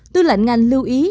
tư lệnh ngành lưu ý